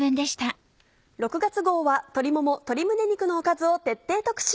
６月号は鶏もも鶏胸肉のおかずを徹底特集。